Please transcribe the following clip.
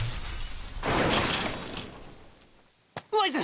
ワイズ！